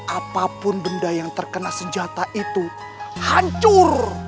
apapun benda yang terkena senjata itu hancur